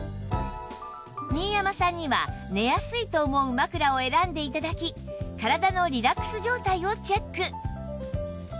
新山さんには寝やすいと思う枕を選んで頂き体のリラックス状態をチェック